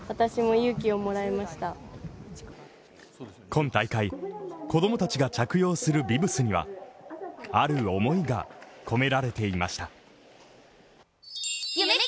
今大会、子供たちが着用するビブスにはある思いが込められていました。